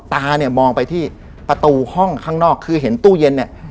ตาเนี่ยมองไปที่ประตูห้องข้างนอกคือเห็นตู้เย็นเนี่ย